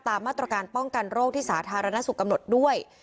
ตามมาตรการป้องกันโรคที่สาธารณสุขกำหนดด้วย